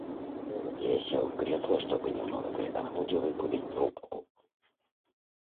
Я сел в кресло, чтобы немного передохнуть и выкурить трубку.